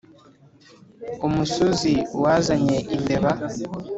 umusozi wazanye imbeba.